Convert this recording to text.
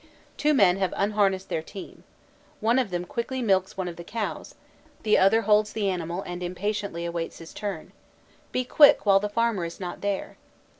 Two men have unharnessed their team. One of them quickly milks one of the cows, the other holds the animal and impatiently awaits his turn: "Be quick, while the farmer is not there."